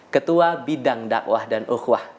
ketua bidang dakwah dan uhwah